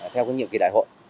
theo nhiệm kỳ đại hội